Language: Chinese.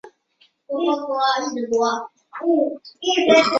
这使得他的作坊对于年轻的艺术家特别亲密。